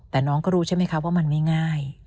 แต่น้องก็รู้ใช่ไหมคะว่ามันไม่ง่าย